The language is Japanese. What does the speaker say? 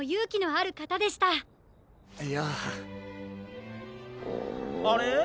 いや。あれ？